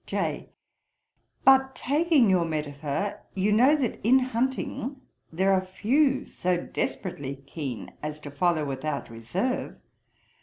J. 'But taking your metaphor, you know that in hunting there are few so desperately keen as to follow without reserve.